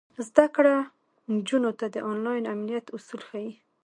زده کړه نجونو ته د انلاین امنیت اصول ښيي.